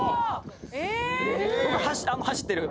僕走ってる。